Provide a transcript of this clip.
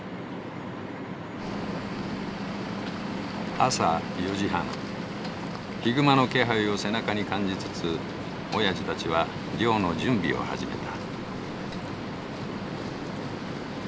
朝４時半ヒグマの気配を背中に感じつつおやじたちは漁の準備を始めた。